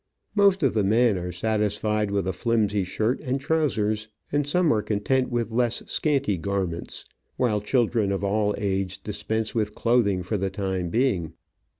Most of the men are satisfied with a flimsy shirt and trousers, and some are content with less scanty garments ; while children of all ages dispense with clothing for the time being.